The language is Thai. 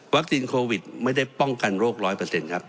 โควิดไม่ได้ป้องกันโรค๑๐๐ครับ